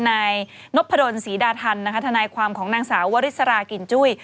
นายนพศรีดาธรรณทนายความของนางสาววริสรากินจุ้ย